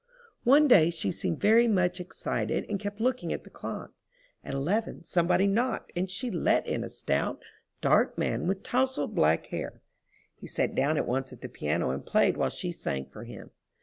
One day she seemed very much excited and kept looking at the clock. At eleven somebody knocked and she let in a stout, dark man with tousled black hair. He sat down at once at the piano and played while she sang for him.